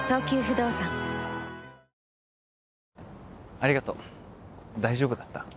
ありがとう大丈夫だった？